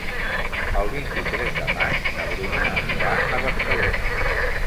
El vint-i-tres de maig na Bruna anirà a Barcelona.